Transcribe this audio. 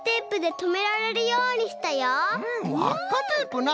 わっかテープな！